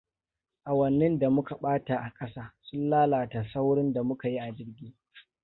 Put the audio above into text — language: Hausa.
Awannin da muka ɓata a ƙasa sun lalata saurin da muka yi a jirgi.